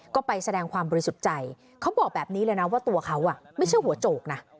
ก็ไปแสดงความบริสุทธิ์ใจเขาบอกแบบนี้เลยนะว่าตัวเขาไม่ใช่หัวโจกนะ